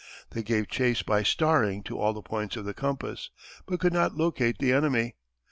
They gave chase by "starring" to all the points of the compass, but could not locate the enemy.